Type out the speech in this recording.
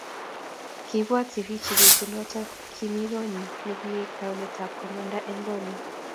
Kiibwat Sifichi betunoto kimi konyi nekiek taunetab komanda eng konyi